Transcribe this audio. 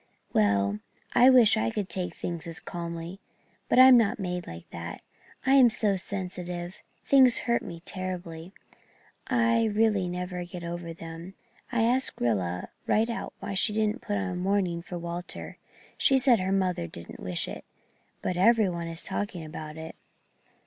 Well, I wish I could take things as calmly but I'm not made like that. I'm so sensitive things hurt me terribly I really never get over them. I asked Rilla right out why she didn't put on mourning for Walter. She said her mother didn't wish it. But every one is talking about it."